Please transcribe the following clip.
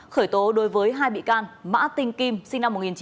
khởi tố đối với hai bị can mã tinh kim sinh năm một nghìn chín trăm tám mươi